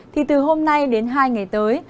thì từ hôm nay đến hai ngày tới